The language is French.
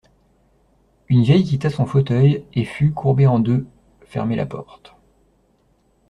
Une vieille quitta son fauteuil et fut, courbée en deux, fermer la porte.